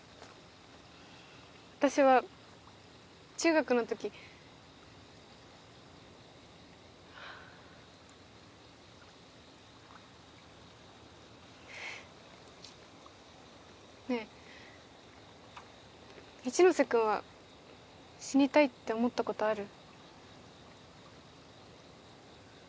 私は中学のときねえ一ノ瀬君は死にたいって思ったことある？